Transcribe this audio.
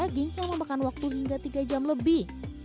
daging yang memakan waktu hingga tiga jam lebih